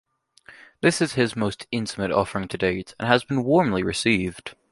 This is his most intimate offering to date and has been warmly received.